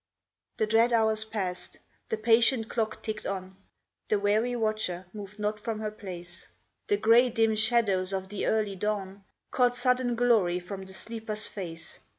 The dread hours passed; the patient clock ticked on; The weary watcher moved not from her place. The grey dim shadows of the early dawn Caught sudden glory from the sleeper's face.